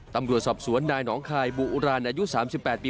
ตำรวจสอบสวนนายหนองคายบูอุรานอายุ๓๘ปี